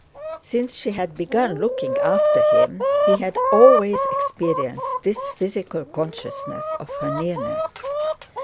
Since she had begun looking after him, he had always experienced this physical consciousness of her nearness.